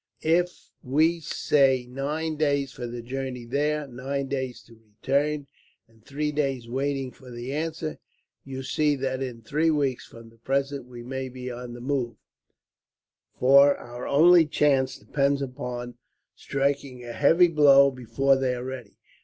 If we say nine days for the journey there, nine days to return, and three days waiting for the answer, you see that in three weeks from the present we may be on the move, for our only chance depends upon striking a heavy blow before they are ready.